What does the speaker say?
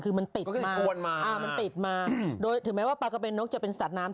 คือมันติดขึ้นมาอ่ามันติดมาโดยถึงแม้ว่าปลากระเบนนกจะเป็นสัตว์น้ำ